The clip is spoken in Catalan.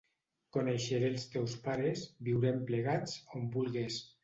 Coneixeré els teus pares, viurem plegats, on vulgues.